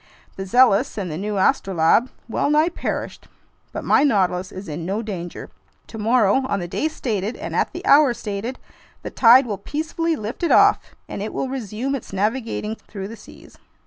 The Zealous and the new Astrolabe wellnigh perished, but my Nautilus is in no danger. Tomorrow, on the day stated and at the hour stated, the tide will peacefully lift it off, and it will resume its navigating through the seas."